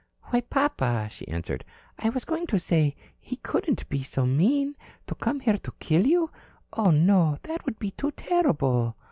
"Why, papa," she answered, "I was going to say he couldn't be so mean. To come here to kill you. Oh, no. That would be too terrible."